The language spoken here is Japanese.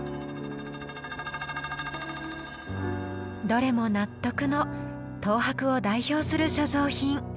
どれも納得の東博を代表する所蔵品。